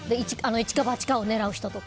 一か八かを狙う人とか。